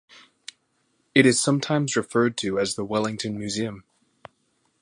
It is sometimes referred to as the Wellington Museum.